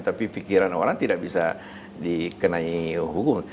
tapi pikiran orang tidak bisa dikenai hukum